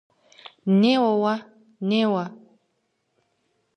Неуэ уэ, неуэ.